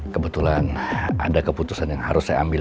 kebetulan ada keputusan yang harus saya ambil